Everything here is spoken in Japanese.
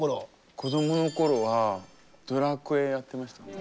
子どもの頃は「ドラクエ」やってましたね。